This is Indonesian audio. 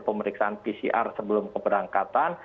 pemeriksaan pcr sebelum keberangkatan